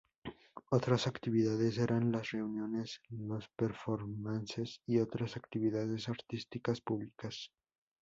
Otras actividades eran las reuniones, los performances y otras actividades artísticas públicas.